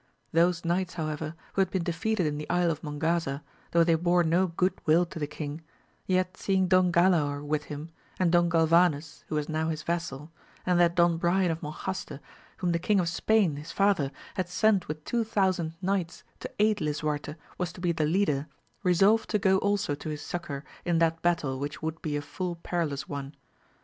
Those knights, however, who had been defeated in the Isle of Mongaza, though they bore no good will to the king, yet seeing Don Galaor with him, and Don Gal vanes, who was now his vassal, and that Don Brian of Monjaste, whom the King of Spain, his father, had sent with two thousand knights to aid Lisuarte, was to be the leader, resolved to go also to his succour in that battle which would be a full perilous one.